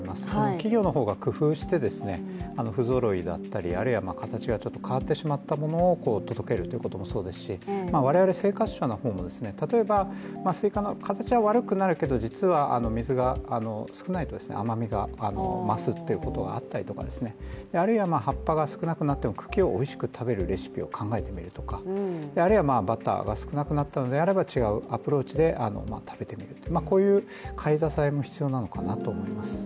企業の方が工夫して、不ぞろいだったり、あるいは形がちょっと変わってしまったものを届けるっていうこともそうですし我々生活者の方も例えば、形は悪くなるけど、実は水が少ないと甘みが増すということがあったりあるいは葉っぱが少なくなっても茎をおいしく食べるレシピを考えてみるとかあるいはバターが少なくなったのであれば違うアプローチで食べてみるこういう買い支えも必要なのかなと思います。